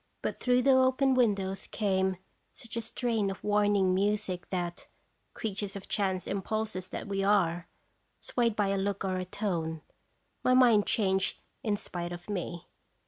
But through the open windows came such a strain of warning music that, creatures of chance impulses that we are, swayed by a look or a tone, my mind changed in spite of me.